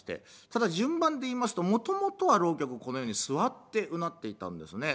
ただ順番でいいますともともとは浪曲このように座ってうなっていたんですね。